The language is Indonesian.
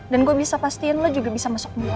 dan gue bisa pastiin lo juga bisa masuk penjara